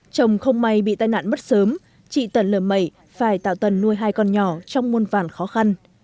trông không may bị tai nạn mất sớm chị tần lờ mẩy phải tạo tần nuôi hai con nhỏ trong muôn vạn khó khăn